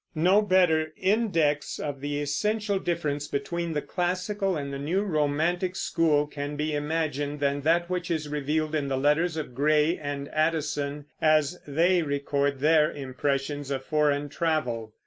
No better index of the essential difference between the classical and the new romantic school can be imagined than that which is revealed in the letters of Gray and Addison, as they record their impressions of foreign travel.